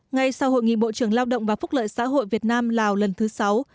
ngay sau hội nghị bộ trưởng lao động và phúc lợi xã hội việt nam lào lần thứ sáu